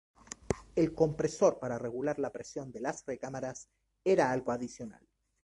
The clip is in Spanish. El compresor para regular la presión de las recámaras era algo adicional.